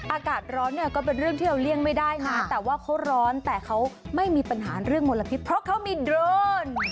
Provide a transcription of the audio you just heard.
อากาศร้อนเนี่ยก็เป็นเรื่องที่เราเลี่ยงไม่ได้นะแต่ว่าเขาร้อนแต่เขาไม่มีปัญหาเรื่องมลพิษเพราะเขามีโดรน